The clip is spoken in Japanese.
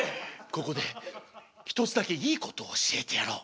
ここで一つだけいいことを教えてやろう。